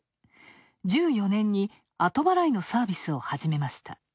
１４年に後払いのサービスを始めました。